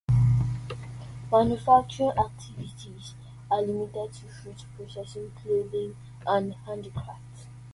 Manufacturing activities are limited to fruit-processing, clothing, and handicrafts.